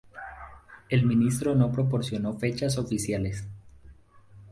El ministro no proporcionó fechas oficiales.